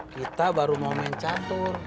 kita baru mau main catur